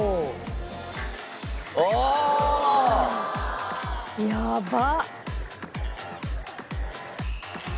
ああー！やばっ！